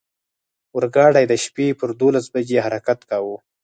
اورګاډی د شپې پر دولس بجې حرکت کاوه.